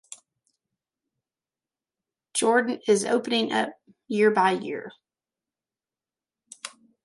Jordan is opening up year by year.